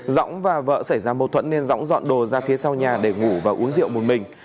dõng và vợ xảy ra mâu thuẫn nên rõng dọn đồ ra phía sau nhà để ngủ và uống rượu một mình